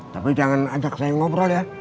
tapi jangan ajak saya ngobrol ya